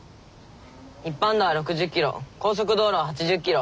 一般道は６０キロ高速道路は８０キロ。